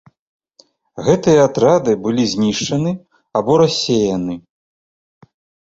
Гэтыя атрады былі знішчаны або рассеяны.